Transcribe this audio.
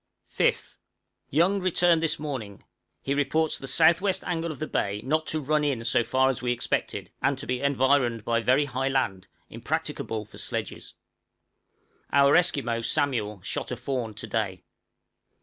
5th. Young returned this morning; he reports the south west angle of the bay not to run in so far as we expected, and to be environed by very high land, impracticable for sledges. Our Esquimaux, Samuel, shot a fawn to day.